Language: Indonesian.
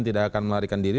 tidak akan melarikan diri